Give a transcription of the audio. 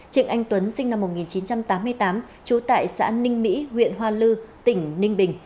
trịnh anh tuấn sinh năm một nghìn chín trăm tám mươi tám trú tại xã ninh mỹ huyện hoa lư tỉnh ninh bình